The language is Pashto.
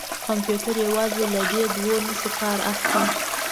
کمپیوټر یوازې له دې دوو نښو کار اخلي.